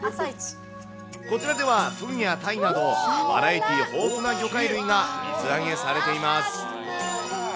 こちらでは、ウニやタイなど、バラエティー豊富な魚介類が水揚げされています。